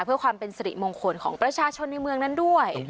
เพื่อความเป็นสริมงคลของประชาชนในเมืองนั้นด้วย